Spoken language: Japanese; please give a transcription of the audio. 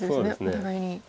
お互いに。